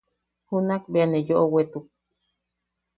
Junakbea ne yoʼowetuk.